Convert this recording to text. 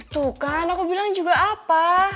tuh kan aku bilang juga apa